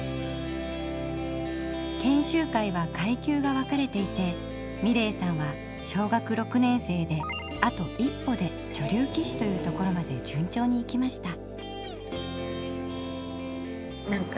研修会は階級が分かれていて美礼さんは小学６年生であと一歩で女流棋士というところまで順調に行きました。